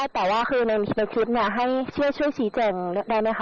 แต่ว่าคือในคลิปให้ช่วยชี้แจงได้ไหมคะ